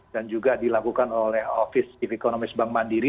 dan juga dilakukan oleh office of economic bank mandiri